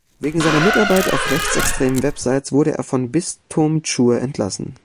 Wegen seiner Mitarbeit auf rechtsextremen Websites wurde er vom Bistum Chur entlassen.